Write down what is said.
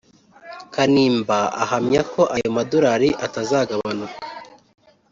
Kanimba ahamya ko ayo madolari atazagabanuka